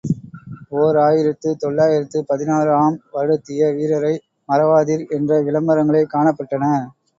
ஓர் ஆயிரத்து தொள்ளாயிரத்து பதினாறு ஆம் வருடத்திய வீரரை மறவாதீர் என்ற விளம்பரங்களே காணப்பட்டன.